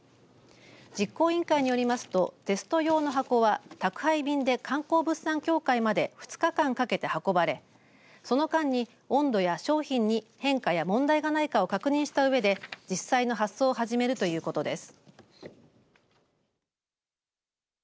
実行委員会によりますとテスト用の箱は宅配便で、観光物産協会まで２日間かけて運ばれ、その間に温度や商品に変化が問題ないかを確認したうえで実際の発送を始めるということです。